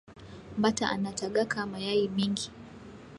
Mbata anatagaka mayayi mingi